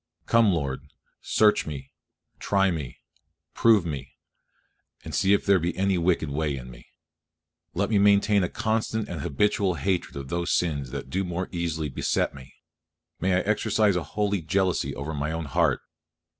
Come, Lord! search me, try me, prove me, and see if there be any wicked way in me. Let me maintain a constant and habitual hatred of those sins that do more easily beset me; may I exercise a holy jealousy over my own heart.